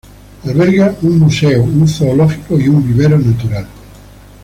Alberga un museo, un zoológico y un vivero natural.